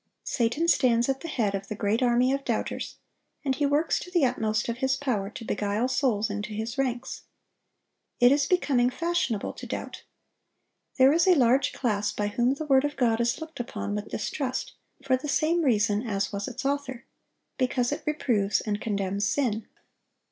Satan stands at the head of the great army of doubters, and he works to the utmost of his power to beguile souls into his ranks. It is becoming fashionable to doubt. There is a large class by whom the word of God is looked upon with distrust for the same reason as was its Author,—because it reproves and condemns sin.